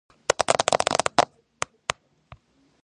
ქაიხოსრო მამია გურიელის ბიძა იყო.